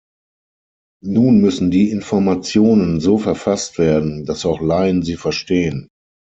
Nun müssen die Informationen so verfasst werden, dass auch Laien sie verstehen.